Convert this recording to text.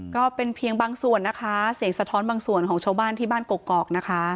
ก็เป็นเพียงบางส่วนนะคะเสียงสะท้อนบางส่วนของชาวบ้านที่บ้านกกอกนะคะ